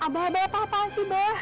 abah abah apa apaan sih bah